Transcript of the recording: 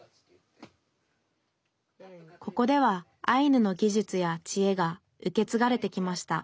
ここではアイヌの技術やちえが受け継がれてきました。